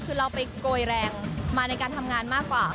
คือเราไปโกยแรงมาในการทำงานมากกว่า